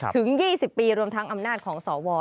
ถึง๒๐ปีรวมทั้งอำนาจของสว